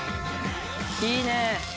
いいね！